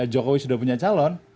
jokowi sudah punya calon